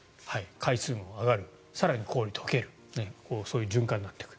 海水温も上がる更に、氷も解けるそういう循環になってくる。